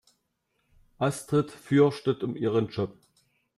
Astrid fürchtet um ihren Job.